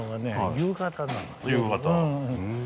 夕方。